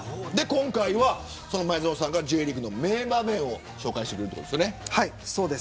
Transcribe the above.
今回は前園さんがＪリーグの名場面を紹介してくれるんですよね。